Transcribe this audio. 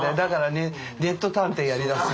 ネット探偵やりだすんだよ。